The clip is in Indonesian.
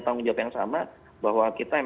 tanggung jawab yang sama bahwa kita